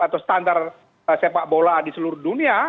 atau standar sepak bola di seluruh dunia